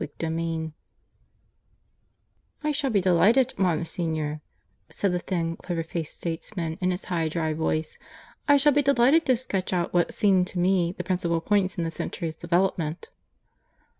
CHAPTER II (I) "I shall be delighted, Monsignor," said the thin, clever faced statesman, in his high, dry voice; "I shall be delighted to sketch out what seem to me the principal points in the century's development."